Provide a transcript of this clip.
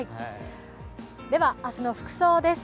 明日の服装です。